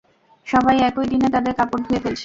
সবাই একই দিনে ওদের কাপড় ধুয়ে ফেলছে।